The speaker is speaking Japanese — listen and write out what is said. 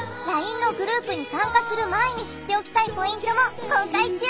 ＬＩＮＥのグループに参加する前に知っておきたいポイントも公開中